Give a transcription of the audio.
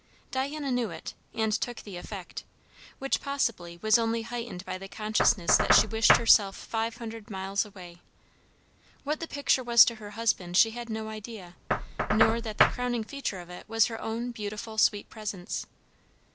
Diana knew it, and took the effect, which possibly was only heightened by the consciousness that she wished herself five hundred miles away. What the picture was to her husband she had no idea, nor that the crowning feature of it was her own beautiful, sweet presence.